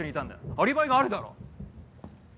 アリバイがあるだろ。